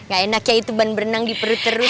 gak enak ya itu ban berenang di perut terus